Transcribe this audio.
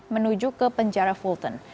menuju ke penjara fulton